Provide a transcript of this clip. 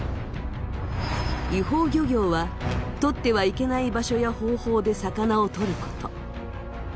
違法漁業は取ってはいけない場所や方法で魚を取ること。